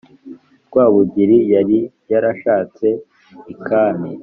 Rwabugiri yari yarashatse I kami